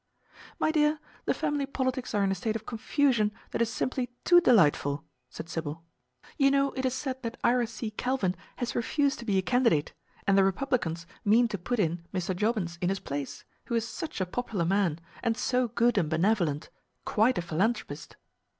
"My dear, the family politics are in a state of confusion that is simply too delightful," said Sybil. "You know it is said that Ira C. Calvin has refused to be a candidate, and the Republicans mean to put in Mr. Jobbins in his place, who is such a popular man, and so good and benevolent quite a philanthropist."